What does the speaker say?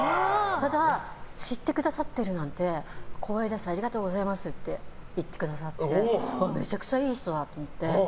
ただ、知ってくださってるなんて光栄ですありがとうございますって言ってくださってめちゃくちゃいい人だと思って。